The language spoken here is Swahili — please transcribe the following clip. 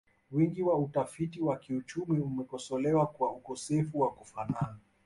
Wingi wa utafiti wa kiuchumi umekosolewa kwa ukosefu wa kufanana